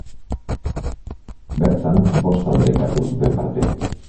Bertan bost taldek hartu zuten parte.